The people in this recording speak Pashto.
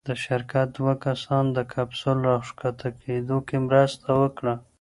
د شرکت دوه کسان د کپسول راښکته کېدو کې مرسته وکړه.